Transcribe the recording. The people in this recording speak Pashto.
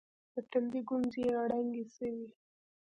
د تندي گونځې يې ړنګې سوې.